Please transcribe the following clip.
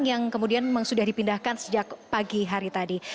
yang kemudian memang sudah dipindahkan sejak pagi hari tadi